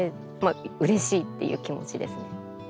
うれしいっていう気持ちですね。